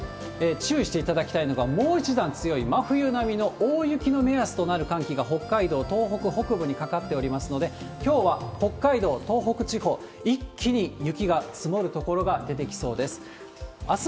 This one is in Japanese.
注意していただきたいのが、もう一段強い真冬並みの大雪の目安となる寒気が北海道、東北北部にかかっておりますので、きょうは北海道、東北地方、一気に雪が積もる所が出てきそうです。